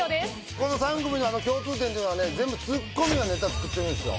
この３組の共通点というのはね全部ツッコミがネタ作ってるんですよ